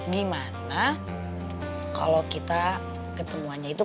gimana kalau kita ketemuannya itu